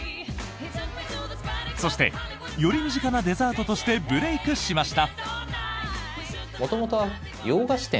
そしてより身近なデザートとしてブレークしました。